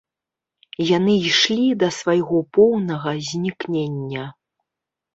Яны ішлі да свайго поўнага знікнення.